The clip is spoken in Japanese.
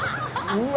うわ。